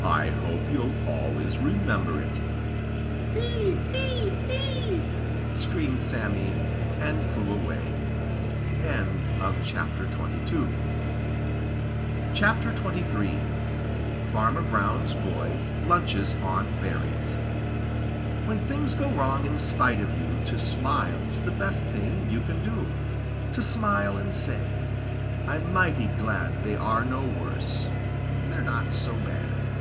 "I hope you'll always remember it." "Thief, thief, thief!" screamed Sammy, and flew away. XXIII FARMER BROWN'S BOY LUNCHES ON BERRIES When things go wrong in spite of you To smile's the best thing you can do To smile and say, "I'm mighty glad They are no worse; they're not so bad!"